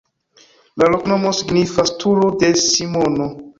La loknomo signifas: turo de Simono.